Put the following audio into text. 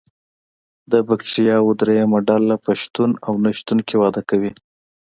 د بکټریاوو دریمه ډله په شتون او نشتون کې وده کوي.